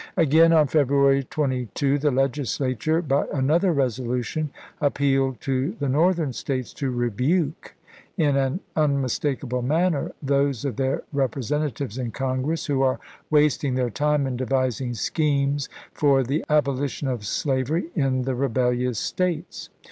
Again on February 22 the Legislature, by another resolution, appealed to the Northern States to " rebuke, in an unmistakable manner, those of their Representa tives in Congress who are wasting their time in devising schemes for the abolition of slavery in the rebellious States."